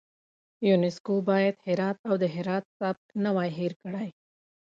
یونسکو باید هرات او د هرات سبک نه وای هیر کړی.